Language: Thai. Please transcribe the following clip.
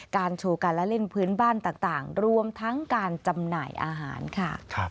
โชว์การละเล่นพื้นบ้านต่างรวมทั้งการจำหน่ายอาหารค่ะ